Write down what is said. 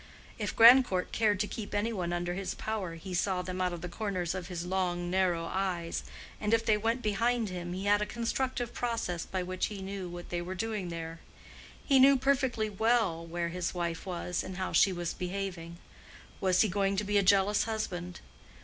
If Grandcourt cared to keep any one under his power he saw them out of the corners of his long narrow eyes, and if they went behind him he had a constructive process by which he knew what they were doing there. He knew perfectly well where his wife was, and how she was behaving. Was he going to be a jealous husband?